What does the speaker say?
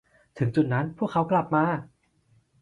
ถึงจุดนั้นพวกเขากลับมา